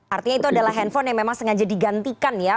artinya itu adalah handphone yang memang sengaja digantikan ya